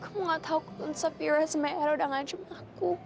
kamu nggak tahu aku pun safira semuanya udah ngajum aku